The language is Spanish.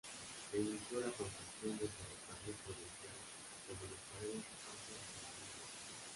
Se inició la construcción del Ferrocarril Provincial de Buenos Aires hacia Saladillo.